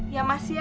ya mas ya